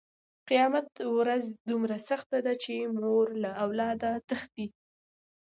قیامت ورځ دومره سخته ده چې مور له اولاده تښتي.